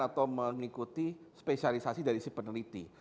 atau mengikuti spesialisasi dari si peneliti